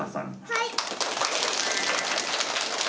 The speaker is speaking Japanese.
はい！